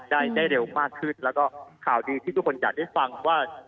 ได้ได้เร็วมากขึ้นแล้วก็ข่าวดีที่ทุกคนอยากได้ฟังว่า